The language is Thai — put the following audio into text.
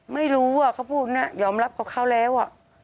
ไม่รู้ว่าเขาพูดยอมรับกับเขาแล้ว